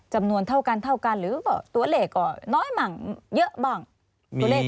จำนวนเท่ากันเท่ากันหรือตัวเลขก็น้อยบ้างเยอะบ้างตัวเลข